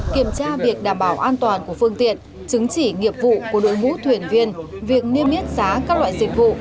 kiểm tra việc đảm bảo an toàn của phương tiện chứng chỉ nghiệp vụ của đội ngũ thuyền viên việc niêm yết giá các loại dịch vụ